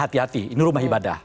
hati hati ini rumah ibadah